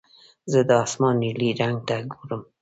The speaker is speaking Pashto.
زه د اسمان نیلي رنګ ته ګورم.